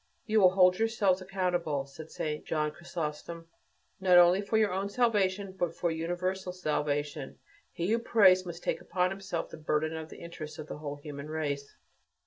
"You will hold yourselves accountable," said St. John Chrysostom, "not only for your own salvation, but for universal salvation; he who prays must take upon himself the burden of the interests of the whole human race."